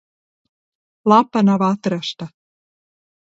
Lapa nav atrasta.